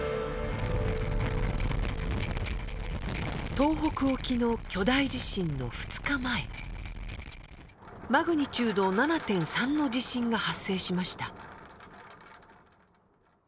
東北沖の巨大地震の２日前マグニチュード７．３の地震が発生しました。